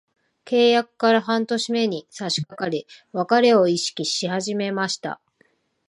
契約から半年目に差しかかり、別れを意識し始めました。